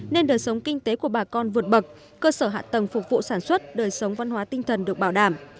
nên đời sống kinh tế của bà con vượt bậc cơ sở hạ tầng phục vụ sản xuất đời sống văn hóa tinh thần được bảo đảm